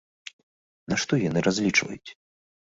На што яны разлічваюць?